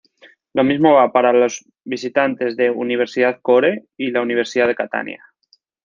Lo mismo va para los visitantes de 'Universidad Core, y la Universidad de Catania.